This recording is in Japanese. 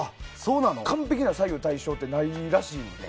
完璧な左右対称ってないらしいので。